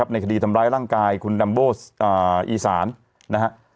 ในคดีทำร้ายร่างกายคุณดัมโบอีสานนะฮะ